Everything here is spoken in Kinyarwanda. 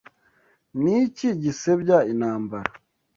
Ni iki gisebya intambara